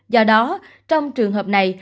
do đó trong trường hợp này